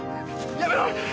やめろ！